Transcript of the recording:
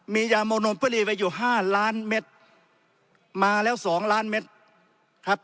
มียาโมนูลพิรีไว้อยู่๕ล้านเมตรมาแล้ว๒ล้านเมตร